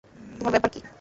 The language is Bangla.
তোমার ব্যাপার কি?